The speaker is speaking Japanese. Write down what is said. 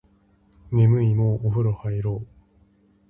眠いもうお風呂入ろう